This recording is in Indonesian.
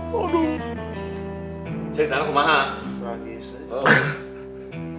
cerita dong kemahang